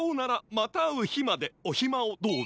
またあうひまでおひまをどうぞ。